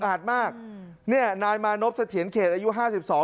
อาจมากอืมเนี่ยนายมานพเสถียรเขตอายุห้าสิบสอง